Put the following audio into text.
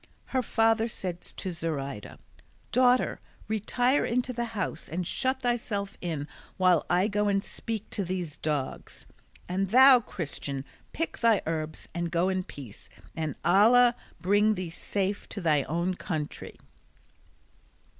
Her father said to Zoraida, "Daughter, retire into the house and shut thyself in while I go and speak to these dogs; and thou, Christian, pick thy herbs, and go in peace, and Allah bring thee safe to thy own country."